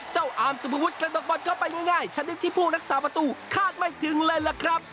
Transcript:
อามสุภวุฒิกระดกบอลเข้าไปง่ายชนิดที่ผู้รักษาประตูคาดไม่ถึงเลยล่ะครับ